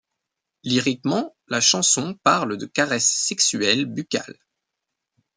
Lyriquement, la chanson parle de caresses sexuelles buccales.